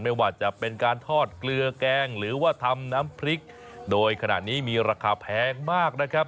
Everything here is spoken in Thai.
ไม่ว่าจะเป็นการทอดเกลือแกงหรือว่าทำน้ำพริกโดยขณะนี้มีราคาแพงมากนะครับ